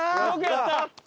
やった！